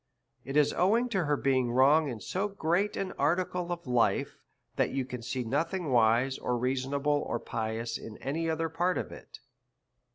It is owing to her being wrong in so great an article of life, that you can see nothing wise, or reasonable, or pious, in any other part of it.